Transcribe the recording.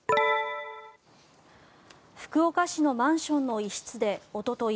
福岡市のマンションの一室でおととい